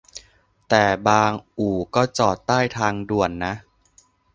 แต่บางอู่ก็จอดใต้ทางด่วนนะ